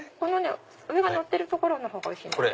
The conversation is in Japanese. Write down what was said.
上がのってる所がおいしいです。